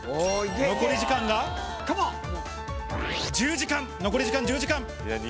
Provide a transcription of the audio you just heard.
残り時間が１０時間、残り時間、１０時間！